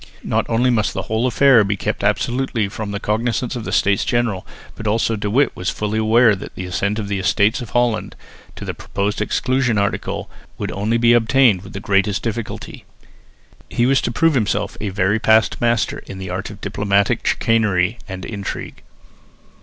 Not only must the whole affair be kept absolutely from the cognisance of the States General, but also De Witt was fully aware that the assent of the Estates of Holland to the proposed exclusion article could only be obtained with the greatest difficulty. He was to prove himself a very past master in the art of diplomatic chicanery and intrigue.